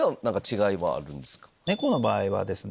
猫の場合はですね